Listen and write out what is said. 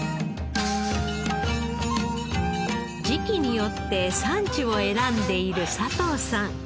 時期によって産地を選んでいる佐藤さん。